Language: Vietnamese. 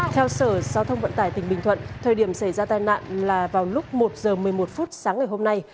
theo sở giao thông vận tải tp hcm thời điểm xảy ra tai nạn là vào lúc một giờ một mươi một phút sáng ngày hôm nay